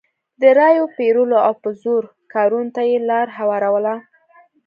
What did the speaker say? د رایو پېرلو او په زور کارونې ته یې لار هواروله.